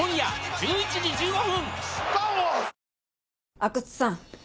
阿久津さん